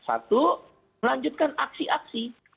satu melanjutkan aksi aksi